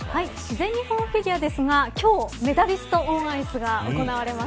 全日本フィギュアですが今日メダリスト・オン・アイスが行われます。